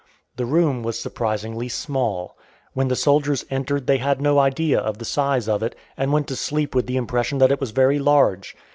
The room was surprisingly small. When the soldiers entered they had no idea of the size of it, and went to sleep with the impression that it was very large.